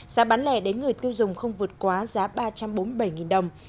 giá bán lẻ đến người tiêu dùng không vượt quá giá ba trăm bốn mươi bảy đồng